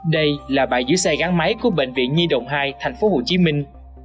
đây là bãi dưới xe gắn máy của bệnh viện nhi động hai thành phố hồ chí minh